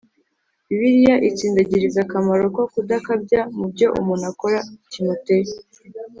Bibiliya itsindagiriza akamaro ko kudakabya mu byo umuntu akora Timoteyo